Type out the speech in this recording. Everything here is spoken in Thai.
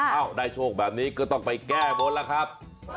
ได้โชคแบบนี้ก็ต้องไปแก้บนแล้วครับ